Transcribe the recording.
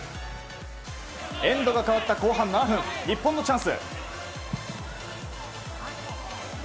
エンドが変わった後半７分日本のチャンス。